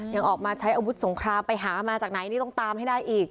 ยังออกมาใช้อาวุธสงครามไปหามาจากไหนนี่ต้องตามให้ได้อีก